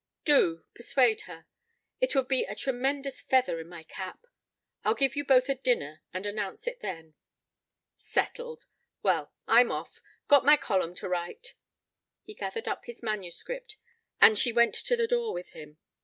"Do persuade her. It would be a tremendous feather in my cap. I'll give you both a dinner and announce it then." "Settled. Well, I'm off. Got my column to write." He gathered up his manuscript, and she went to the door with him.